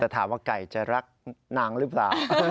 แต่ถามว่าไก่จะรักนางหรือเปล่า